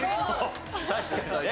確かにね。